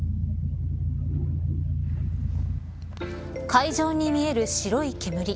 海上に見える白い煙。